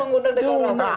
itu kan jelas